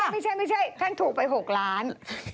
ไม่ใช่ท่านถูกไป๖ล้าน